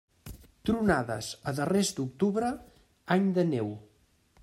Tronades a darrers d'octubre, any de neu.